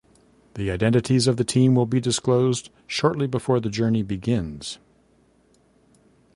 The identities of the team will be disclosed shortly before the journey begins.